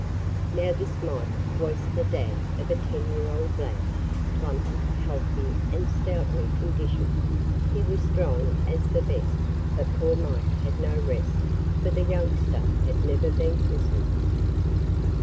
Now this Mike was the dad of a ten year old lad, Plump, healthy, and stoutly conditioned; He was strong as the best, but poor Mike had no rest For the youngster had never been christened.